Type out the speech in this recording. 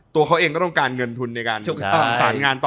ตัวเขาเองก็ต้องการเงินทุนในการสารงานต่อ